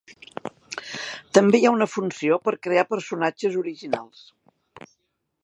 També hi ha una funció per crear personatges originals.